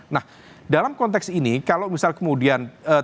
nah dalam konteks ini kalau misal kemudian